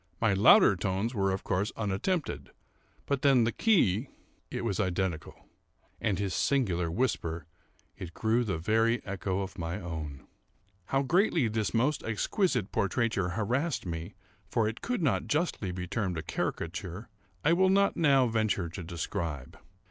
My louder tones were, of course, unattempted, but then the key—it was identical; and his singular whisper, it grew the very echo of my own. How greatly this most exquisite portraiture harassed me, (for it could not justly be termed a caricature,) I will not now venture to describe.